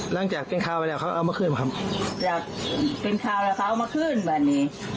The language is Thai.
หลังจากเป็นข้าวแล้วเขาเอามาขึ้นมาครับจากเป็นข้าวแล้วเขาเอามาขึ้นว่ะนี่